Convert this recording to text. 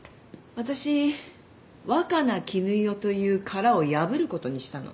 私若菜絹代という殻を破ることにしたの。